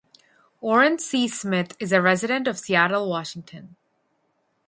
Orin C. Smith is a resident of Seattle, Washington.